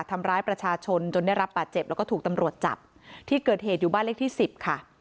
ทำร้ายประชาชนจนได้รับบาดเจ็บแล้วก็ถูกตำรวจจับที่เกิดเหตุอยู่บ้านเลขที่สิบค่ะ